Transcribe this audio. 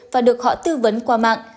và được họ tư vấn qua mạng